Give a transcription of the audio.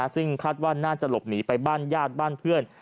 ซึ่งคาดว่าน่าจะหลบหนีไปบ้านญาติบ้านเพื่อน